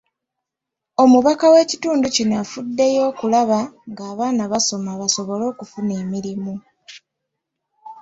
Omubaka w'ekitundu kino afuddeyo okulaba nga abaana basoma basobole okufuna emirimu.